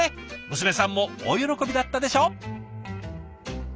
娘さんも大喜びだったでしょう！